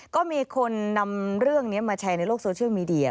ก็มีคนนำเรื่องนี้มาแชร์ในโลกโซเชียลมีเดีย